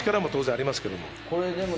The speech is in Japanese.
力も当然ありますけど。